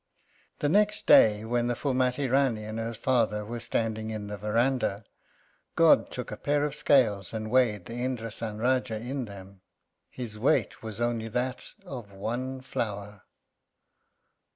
The next day, when the Phúlmati Rání and her father were standing in the verandah, God took a pair of scales and weighed the Indrásan Rájá in them. His weight was only that of one flower!